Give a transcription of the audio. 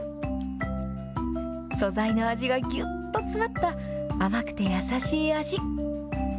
素材の味がぎゅっと詰まった、甘くて優しい味。